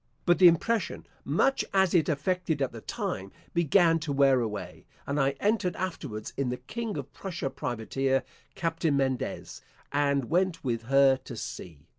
But the impression, much as it effected at the time, began to wear away, and I entered afterwards in the King of Prussia Privateer, Captain Mendez, and went with her to sea.